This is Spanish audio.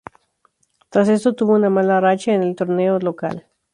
Tras esto tuvo una mala racha en el torneo local.